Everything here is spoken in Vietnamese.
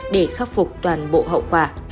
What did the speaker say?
để khắc phục toàn bộ hậu quả